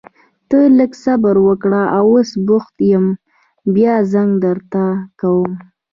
ته لږ صبر وکړه، اوس بوخت يم بيا زنګ درته کوم.